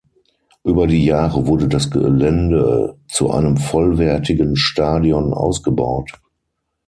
Über die Jahre wurde das Gelände zu einem vollwertigen Stadion ausgebaut.